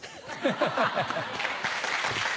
ハハハ。